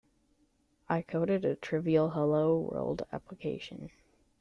I coded a trivial hello world application.